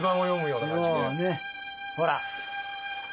ほら！